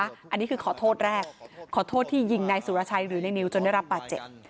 อันนี้คือขอโทษแรกขอโทษที่ยิงนายสุรชัยหรือในนิวจนได้รับบาดเจ็บ